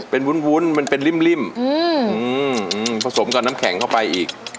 เป็นวุ้นมันเป็นริ่มผสมกับน้ำแข็งเข้าไปอีก